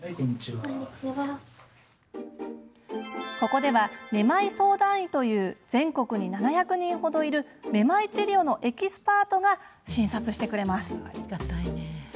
ここでは、めまい相談医という全国に７００人程いるめまい治療のエキスパートが診察してくれます。